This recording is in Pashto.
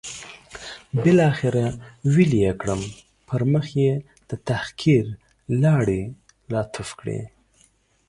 بالاخره ویلې یې کړم، پر مخ یې د تحقیر لاړې را توف کړې.